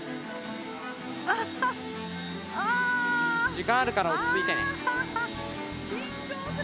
時間あるから落ち着いてね。